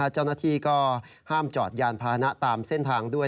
เจ้าหน้าที่ก็ห้ามจอดยานพานะตามเส้นทางด้วย